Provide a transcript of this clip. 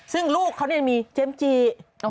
ซึ่งลูกเขายังมีเจมส์จี